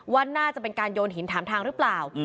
ว่าน่าจะเป็นการโยนหินถามทางหรือเปล่า